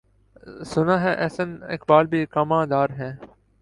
سناہے احسن اقبال بھی اقامہ دارہیں۔